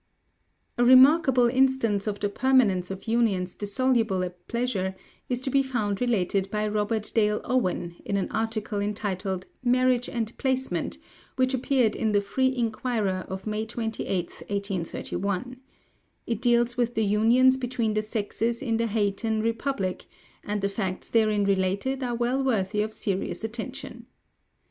("The Earthward Pilgrimage," pp. 289, 290, 291). A remarkable instance of the permanence of unions dissoluble at pleasure is to be found related by Robert Dale Owen, in an article entitled "Marriage and Placement," which appeared in the Free Inquirer of May 28, 1831. It deals with the unions between the sexes in the Haytian Republic, and the facts therein related are well worthy of serious attention.